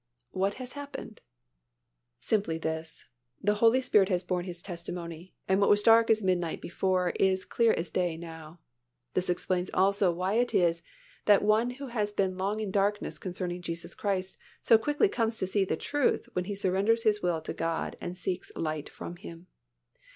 What has happened? Simply this, the Holy Spirit has borne His testimony and what was dark as midnight before is as clear as day now. This explains also why it is that one who has been long in darkness concerning Jesus Christ so quickly comes to see the truth when he surrenders his will to God and seeks light from Him.